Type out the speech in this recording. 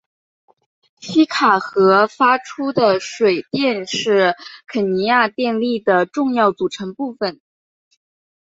锡卡河发出的水电是肯尼亚电力的重要组成部分。